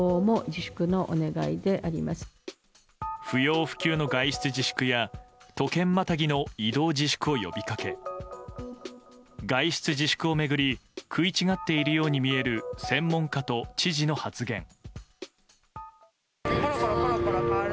不要不急の外出自粛や都県またぎの移動自粛を呼びかけ外出自粛を巡り食い違っているように見える専門家と知事の発言。